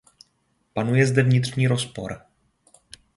Panuje zde vnitřní rozpor.